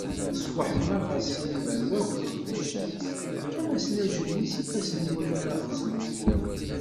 Tesfuḥem-aɣ ɣer Sid Balwa akked iqeddacen-is, tefkam-asen ajenwi s ifassen iwakken ad ɣ-zlun.